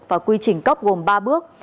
và quy trình cấp gồm ba bước